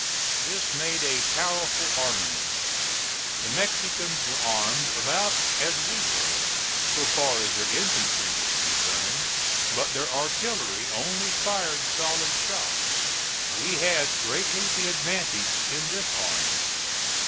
This made a powerful armament. The Mexicans were armed about as we were so far as their infantry was concerned, but their artillery only fired solid shot. We had greatly the advantage in this arm.